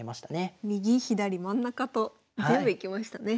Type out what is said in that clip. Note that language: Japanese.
右左真ん中と全部いきましたね。